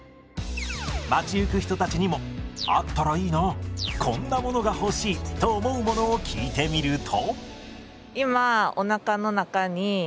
街行く人たちにも「あったらいいな！」「こんなものが欲しい！」と思うものを聞いてみると。